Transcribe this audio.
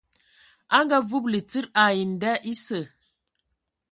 A ngaavúbulu tsid ai nda esǝ.